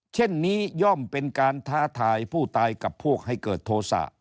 เช่นนี้ย่อมเป็นการท้าทายผู้ตายกับพวกให้เกิดโทษะ